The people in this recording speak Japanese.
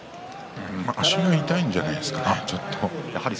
足が痛いんじゃないですか。